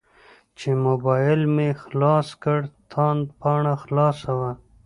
چې موبایل مې خلاص کړ تاند پاڼه خلاصه وه.